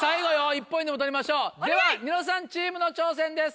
１ポイントでも取りましょうではニノさんチームの挑戦です。